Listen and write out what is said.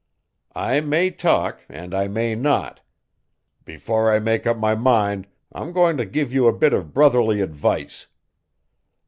I may talk and I may not. Before I make up my mind I'm going to give you a bit of brotherly advice.